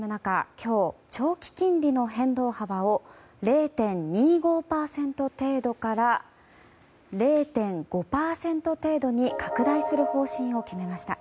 今日、長期金利の変動幅を０．２５％程度から０．５％程度に拡大する方針を決めました。